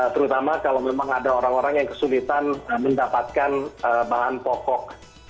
terutama kalau memang ada orang orang yang kesulitan mendapatkan bahan pokok